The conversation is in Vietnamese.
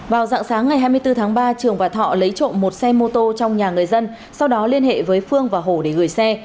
vào dạng sáng ngày hai mươi bốn tháng ba trường và thọ lấy trộm một xe mô tô trong nhà người dân sau đó liên hệ với phương và hồ để gửi xe